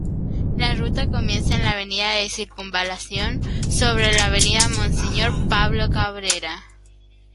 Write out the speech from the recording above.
La ruta comienza en la Avenida de Circunvalación, sobre la Avenida Monseñor Pablo Cabrera.